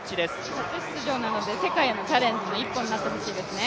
初出場なので世界へのチャレンジの一歩になってほしいですね。